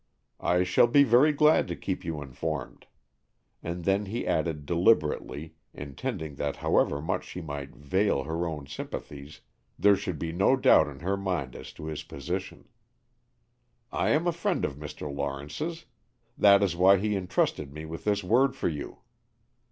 "I shall be very glad to keep you informed." And then he added deliberately, intending that however much she might veil her own sympathies there should be no doubt in her mind as to his position, "I am a friend of Mr. Lawrence's. That is why he entrusted me with this word for you."